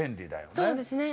そうですね。